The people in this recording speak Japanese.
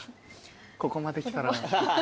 ここまできたら。